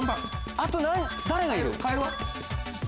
あと誰がいる？